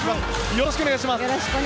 よろしくお願いします。